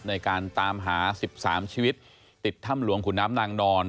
ในการตามหา๑๓ชีวิตติดถ้ำหลวงขุนน้ำนางนอน